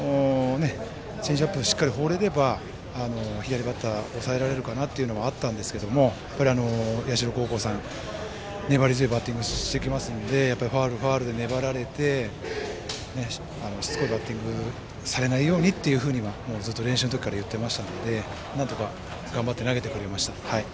チェンジアップをしっかり放れれば左バッター抑えられるかなというのはあったんですけども社高校さんは粘り強いバッティングをしてきますのでファウル、ファウルで粘られてしつこいバッティングをされないようにというふうにはずっと練習の時から言っていましたのでなんとか頑張って投げてくれました。